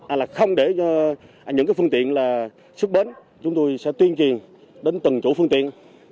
à là không để những phương tiện là sức bến chúng tôi sẽ tuyên truyền đến từng chủ phương tiện